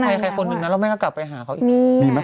ภัยใครคนหนึ่งน่ะแล้วไม่ก็กลับไปหาเขาอีกมีไหมมีมั้ย